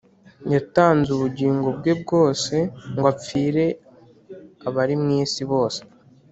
Yatanz' ubugingo bwe bwose, Ngw apfir' abari mw isi bose.